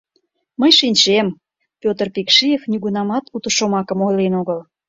Мый шинчем, Петр Пекшиев нигунамат уто шомакым ойлен огыл.